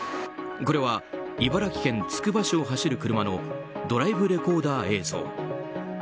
これは茨城県つくば市を走る車のドライブレコーダー映像。